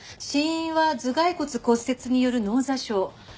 死因は頭蓋骨骨折による脳挫傷。